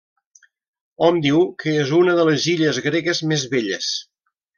Hom diu que és una de les illes gregues més belles.